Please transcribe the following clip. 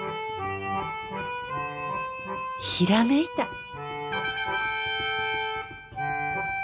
ひらめいた！